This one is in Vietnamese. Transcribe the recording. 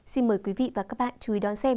xin mời quý vị và các bạn chú ý đón xem